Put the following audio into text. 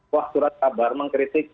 wah surat kabar mengkritik